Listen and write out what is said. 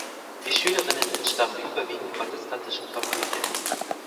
Die Schülerinnen entstammten überwiegend protestantischen Familien.